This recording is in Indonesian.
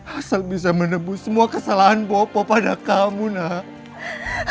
asal bisa menebus semua kesalahan bopo pada kamu nak